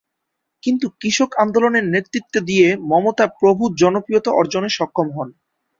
কিন্তু কৃষক আন্দোলনের নেতৃত্ব দিয়ে মমতা প্রভূত জনপ্রিয়তা অর্জনে সক্ষম হন।